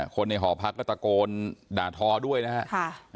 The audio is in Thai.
คนในหอพักก็ตะโกนด่าทอด้วยนะครับ